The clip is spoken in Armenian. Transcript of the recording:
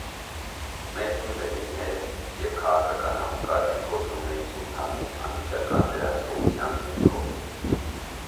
Մեծն վեզիրները և քաղաքական համակարգը գործում էին սուլթանի անմիջական վերահսկողության ներքո։